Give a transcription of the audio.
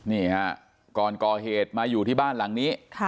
นี่ฮะก่อนก่อเหตุมาอยู่ที่บ้านหลังนี้